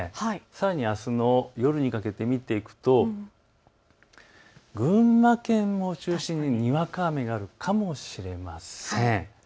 さらにあすの夜にかけて見ると群馬県を中心に、にわか雨があるかもしれません。